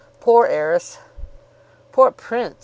Poor heiress!" "Poor Prince!"